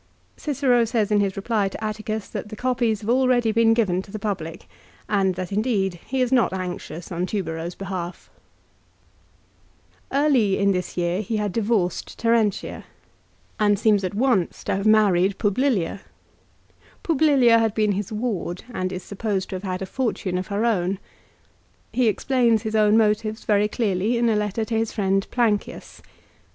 Cicero says in his reply to Atticus that the copies have already been given to the public, and that, indeed, he is not anxious on Tubero's behalf. Early in this year he had divorced Terentia and seems at 1 " Pro Ligario," iii. 184 LIFE OF CICERO. once to have married Publilia. Publilia had been his ward, and is supposed to have had a fortune of her own. He explains his own motives very clearly in a letter to his friend Plancius.